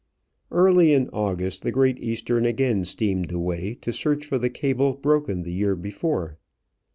Early in August the Great Eastern again steamed away to search for the cable broken the year before.